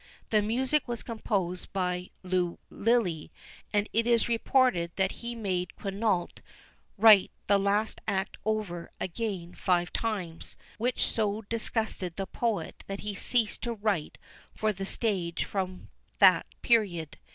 The music was composed by Lulli, and it is reported that he made Quinnault write the last act over again five times, which so disgusted the poet that he ceased to write for the stage from that period.